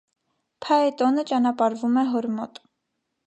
Փաետոնը ճանապարհվում է հոր մոտ։